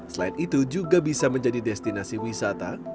selain itu juga bisa menjadi destinasi wisata